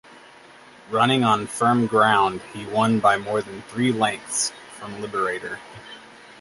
Running on firm ground he won by more than three lengths from Liberator.